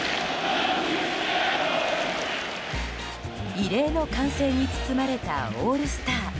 異例の歓声に包まれたオールスター。